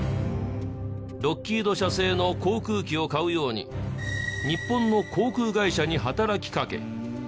ロッキード社製の航空機を買うように日本の航空会社に働きかけ